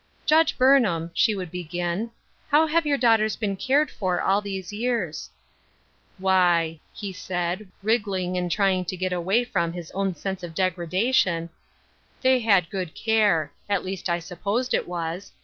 "Judge Burnham," she would begin, "how have your daughters been cared for all these years ?" "Why, " he said, wriggling and trying to get away from his own sense of degradation, " tliey had good care ; at least I supposed it was.